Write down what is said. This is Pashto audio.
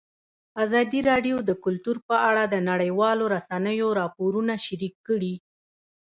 ازادي راډیو د کلتور په اړه د نړیوالو رسنیو راپورونه شریک کړي.